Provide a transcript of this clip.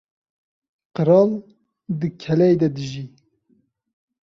Qral di keleyê de dijî.